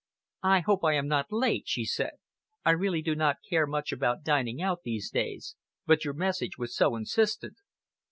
"I hope I am not late," she said. "I really do not care much about dining out, these days, but your message was so insistent."